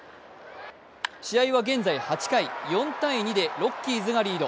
試合は現在８回、４−２でロッキーズがリード。